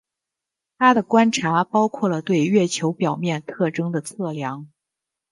他的观察包括了对月球表面特征的测量。